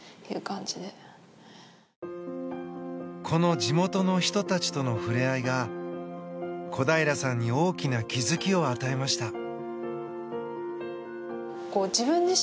この地元の人たちとの触れ合いが小平さんに大きな気づきを与えました。